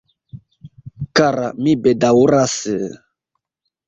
Kara, mi bedaŭras...